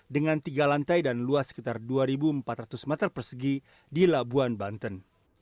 dengan tiga lantai dan luas sekitar dua empat ratus meter persegi di labuan banten